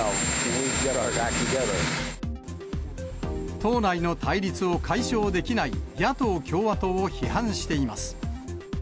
党内の対立を解消できない野党・共和党を批判しています。